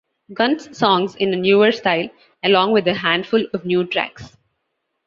Guns songs in a newer style, along with a handful of new tracks.